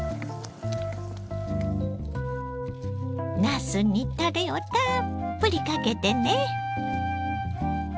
なすにたれをたっぷりかけてね。